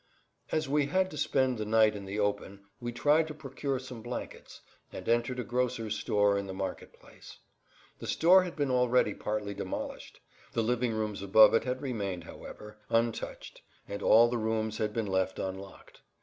As we had to spend the night in the open we tried to procure some blankets, and entered a grocer's store in the market place. The store had been already partly demolished. The living rooms above it had remained, however, untouched, and all the rooms had been left unlocked.